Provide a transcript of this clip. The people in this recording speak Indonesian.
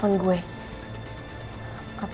oh adults ya pasti